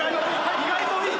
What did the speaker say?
意外といい！